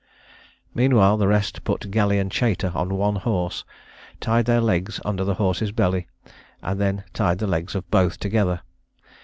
Meanwhile, the rest put Galley and Chater on one horse, tied their legs under the horse's belly, and then tied the legs of both together.